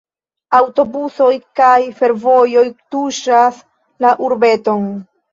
Aŭtobusoj kaj fervojoj tuŝas la urbeton.